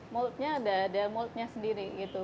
mold nya ada ada mold nya sendiri gitu